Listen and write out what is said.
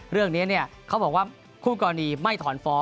เรื่องนี้เขาบอกว่าคู่กรณีไม่ถอนฟ้อง